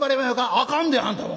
「あかんであんた。